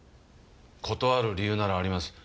断る理由ならあります。